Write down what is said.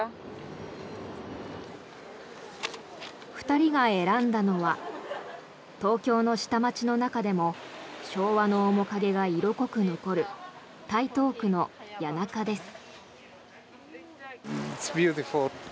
２人が選んだのは東京の下町の中でも昭和の面影が色濃く残る台東区の谷中です。